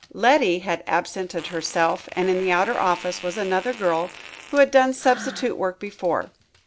Letty had absented herself and in the outer office was another girl, who had done substitute work before.